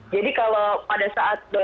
jadi kalau pada saat